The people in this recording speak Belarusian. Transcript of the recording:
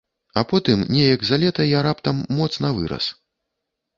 А потым неяк за лета я раптам моцна вырас.